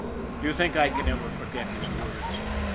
Do you think I could ever forget his words?